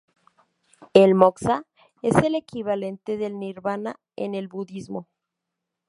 El moksha es el equivalente del nirvana en el budismo.